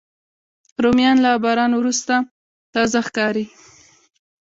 رومیان له باران وروسته تازه ښکاري